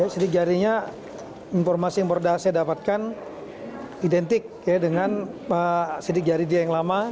sidik jarinya informasi yang saya dapatkan identik dengan sidik jari dia yang lama